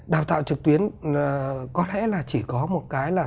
đào tạo trực tuyến có lẽ là chỉ có một cái là